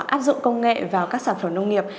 áp dụng công nghệ vào các sản phẩm nông nghiệp